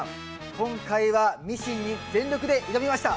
今回はミシンに全力で挑みました。